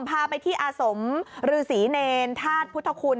พาไปที่อาสมฤษีเนรธาตุพุทธคุณ